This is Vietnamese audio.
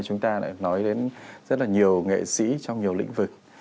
chúng ta lại nói đến rất là nhiều nghệ sĩ trong nhiều lĩnh vực